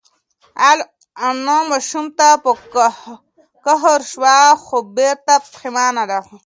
انا ماشوم ته په قهر شوه خو بېرته پښېمانه ده.